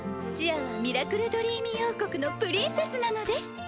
ちあはミラクルドリーミー王国のプリンセスなのです。